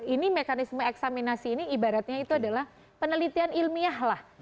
ini mekanisme eksaminasi ini ibaratnya itu adalah penelitian ilmiah lah